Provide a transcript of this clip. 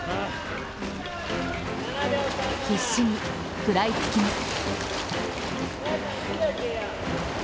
必死に食らいつきます。